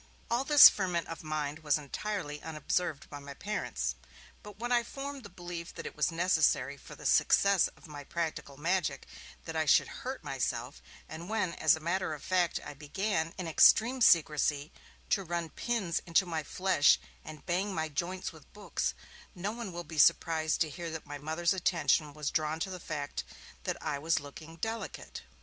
All this ferment of mind was entirely unobserved by my parents. But when I formed the belief that it was necessary, for the success of my practical magic, that I should hurt myself, and when, as a matter of fact, I began, in extreme secrecy, to run pins into my flesh and bang my joints with books, no one will be surprised to hear that my Mother's attention was drawn to the fact that I was looking 'delicate'.